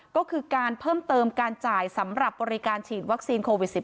ก็คือการเพิ่มเติมการจ่ายสำหรับบริการฉีดวัคซีนโควิด๑๙